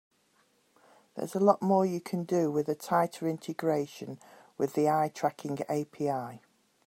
There's a lot more you can do with a tighter integration with the eye tracking API.